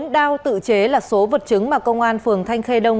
bốn đao tự chế là số vật chứng mà công an phường thanh khê đông